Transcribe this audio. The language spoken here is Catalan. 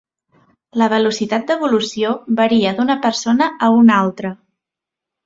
La velocitat d'evolució varia d'una persona a una altra.